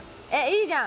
いいじゃん